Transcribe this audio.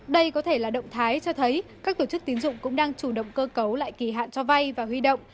đây có thể là động thái cho thấy các tổ chức tín dụng cũng đang chủ động cơ cấu lại kỳ hạn cho vay và huy động